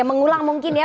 mengulang mungkin ya